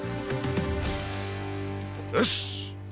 よし！